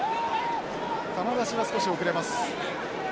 球出しは少し遅れます。